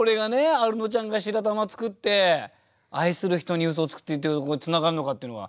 アルノちゃんが白玉作って「愛する人に嘘をつく」って言ってるところにつながるのかっていうのが。